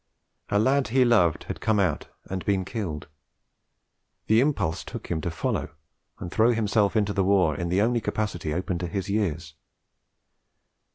A lad he loved had come out and been killed; the impulse took him to follow and throw himself into the war in the only capacity open to his years.